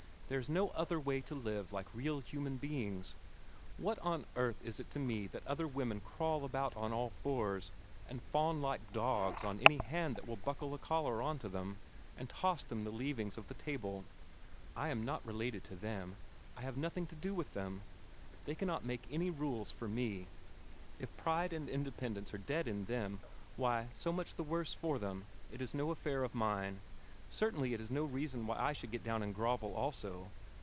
There is no other way to live like real human beings. What on earth is it to me that other women crawl about on all fours, and fawn like dogs on any hand that will buckle a collar onto them, and toss them the leavings of the table? I am not related to them. I have nothing to do with them. They cannot make any rules for me. If pride and dignity and independence are dead in them, why, so much the worse for them! It is no affair of mine. Certainly it is no reason why I should get down and grovel also.